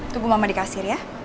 tunggu mama dikasir ya